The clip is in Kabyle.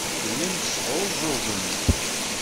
Tellam tesɛuẓẓugem.